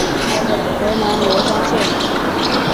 河南罗山县人。